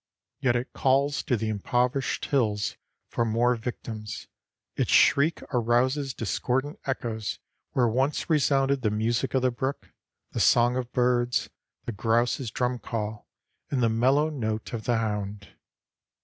Yet it calls to the impoverished hills for more victims; its shriek arouses discordant echoes where once resounded the music of the brook, the song of birds, the grouse's drum call, and the mellow note of the hound.